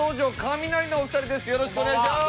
お願いします。